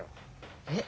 えっ？